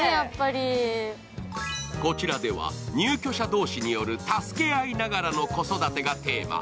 こちらでは入居者同士による助け合いながらの子育てがテーマ。